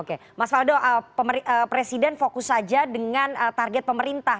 oke mas faldo presiden fokus saja dengan target pemerintah